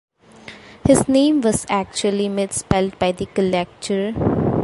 His name was actually mis-spelt by the collector.